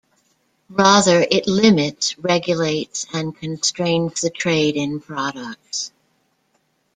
Rather, it limits, regulates and constrains the trade in products.